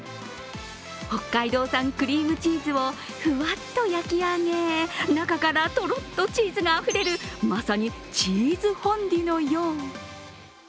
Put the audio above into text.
北海道産クリームチーズをふわっと焼き上げ、中からとろっとチーズがあふれる、まさにチーズフォンデュのよう。